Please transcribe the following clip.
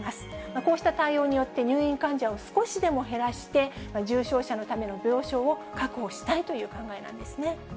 こうした対応によって、入院患者を少しでも減らして、重症者のための病床を確保したいという考えなんですね。